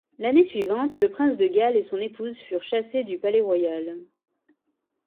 L'année suivante, le prince de Galles et son épouse furent chassés du palais royal.